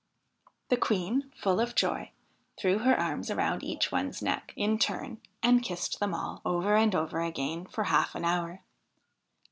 The Queen, full of joy, threw her arms around each one's neck in turn, and kissed them all, over and over again, for half an hour.